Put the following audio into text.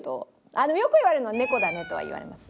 でもよく言われるのは「猫だね」とは言われます。